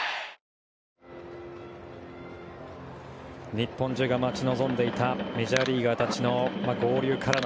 日本中が待ち望んでいたメジャーリーガーたちの合流からの